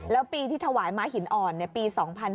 แล้วปีที่ถวายม้าหินอ่อนปี๒๕๕๙